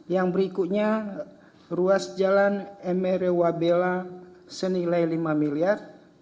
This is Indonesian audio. yang berikutnya ruas jalan emerewa bela senilai lima miliar